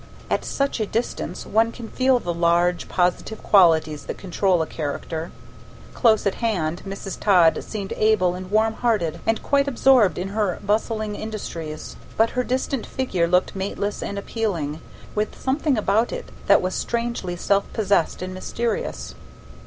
At such a distance one can feel the large, positive qualities that control a character. Close at hand, Mrs. Todd seemed able and warm hearted and quite absorbed in her bustling industries, but her distant figure looked mateless and appealing, with something about it that was strangely self possessed and mysterious.